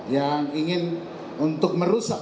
yang ingin untuk merusak